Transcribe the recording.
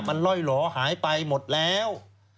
มันล่อยหล่อหายไปหมดแล้ว